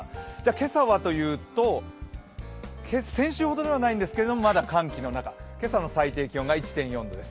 今朝はというと、先週ほどではないんですけれども、まだ寒気の中、今朝の最低気温が１．４度です。